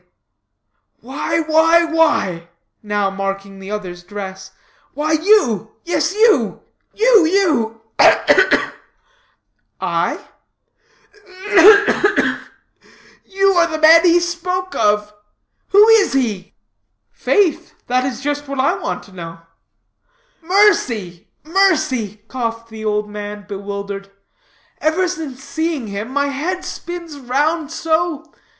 "Why, why, why," now marking the other's dress, "why you, yes you you, you ugh, ugh, ugh!" "I?" "Ugh, ugh, ugh! you are the man he spoke of. Who is he?" "Faith, that is just what I want to know." "Mercy, mercy!" coughed the old man, bewildered, "ever since seeing him, my head spins round so.